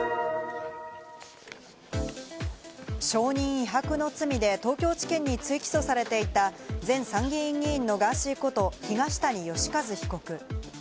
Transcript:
証人威迫の罪で東京地検に追起訴されていた前参議院議員のガーシーこと、東谷義和被告。